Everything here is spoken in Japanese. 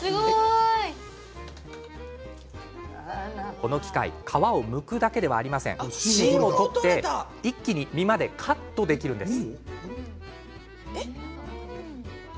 この器械、皮をむくだけでなく芯を取って、一気に実までカットできるんです。